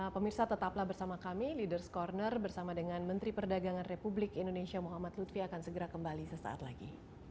pemirsa tetaplah bersama kami ⁇ leaders ⁇ corner bersama dengan menteri perdagangan republik indonesia muhammad lutfi akan segera kembali sesaat lagi